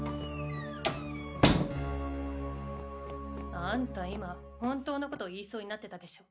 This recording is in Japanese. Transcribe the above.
あんた今本当のこと言いそうになってたでしょう！